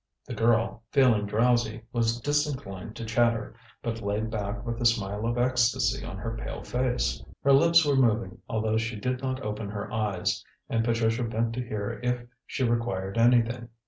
The girl, feeling drowsy, was disinclined to chatter, but lay back with a smile of ecstasy on her pale face. Her lips were moving, although she did not open her eyes, and Patricia bent to hear if she required anything.